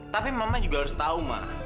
tapi mama juga harus tahu mak